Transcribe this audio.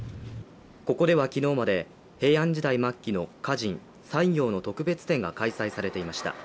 ここでは昨日まで平安時代末期の歌人、西行の特別展が行われていました。